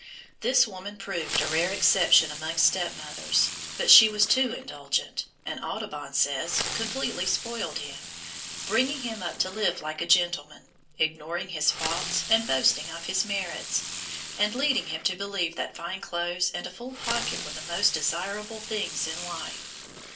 This woman proved a rare exception among stepmothers but she was too indulgent, and, Audubon says, completely spoiled him, bringing him up to live like a gentleman, ignoring his faults and boasting of his merits, and leading him to believe that fine clothes and a full pocket were the most desirable things in life.